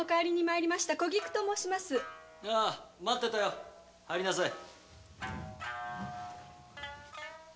入りなさい！